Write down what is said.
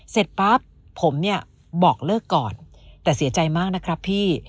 เสร็จปั๊บผมเนี่ยบอกเลิกก่อนแต่เสียใจมากนะครับพี่